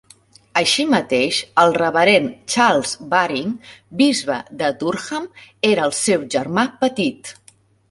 Així mateix, el reverend Charles Baring, bisbe de Durham, era el seu germà petit.